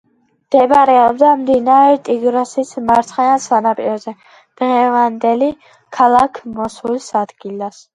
მდებარეობდა მდინარე ტიგროსის მარცხენა სანაპიროზე, დღევანდელი ქალაქ მოსულის ადგილას.